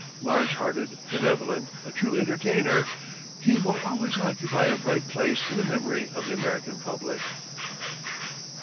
Large hearted, benevolent, a true entertainer, he will always occupy a bright place in the memory of the American public.